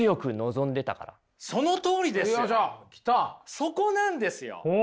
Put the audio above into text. そこなんですよ！